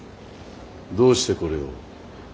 どうしてこれを？